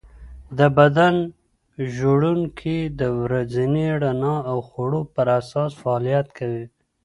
د بدن ژوڼکې د ورځني رڼا او خوړو په اساس فعالیت کوي.